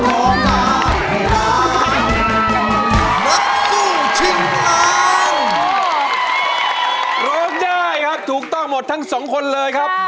ร้องได้ครับถูกต้องหมดทั้งสองคนเลยครับ